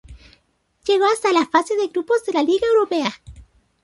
Llegó hasta la fase de grupos de la Liga Europea.